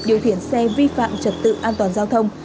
điều khiển xe vi phạm trật tự an toàn giao thông